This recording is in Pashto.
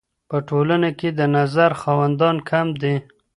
په ټولنه کي د نظر خاوندان کم دي.